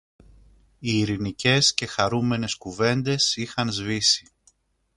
Οι ειρηνικές και χαρούμενες κουβέντες είχαν σβήσει